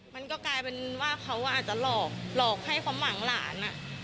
มันก็กลายเป็นว่าเขาอาจจะหลอกหลอกให้ความหวังหลาน